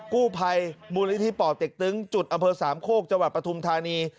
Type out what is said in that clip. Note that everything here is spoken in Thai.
กู้ภัยบูรณิธิปอดติกตึงจุดอำเภอ๓โคกจวัดปทุมธานี